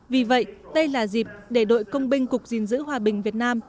vì vậy đây là dịp để đội công binh cục gìn giữ hòa bình việt nam